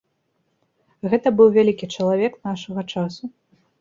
Гэта быў вялікі чалавек нашага часу.